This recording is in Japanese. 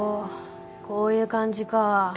こういう感じか。